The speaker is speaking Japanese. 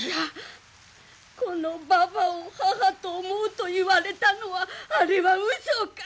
このばばを母と思うと言われたのはあれはうそか。